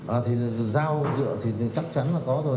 à thì dao dựa thì chắc chắn là có rồi